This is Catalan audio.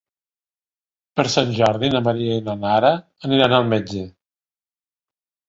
Per Sant Jordi na Maria i na Nara aniran al metge.